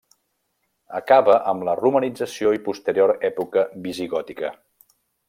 Acaba amb la romanització i posterior època visigòtica.